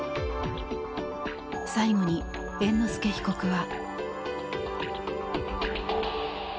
最後に猿之助被告は。